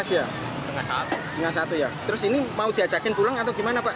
dengan satu ya terus ini mau diajakin pulang atau gimana pak